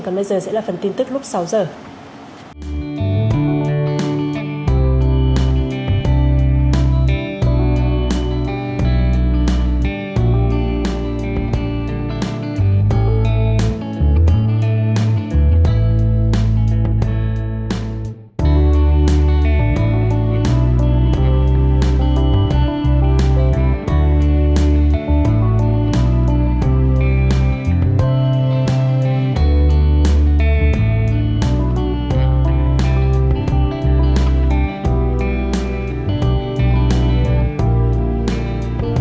còn bây giờ sẽ là phần tin tức lúc sáu giờ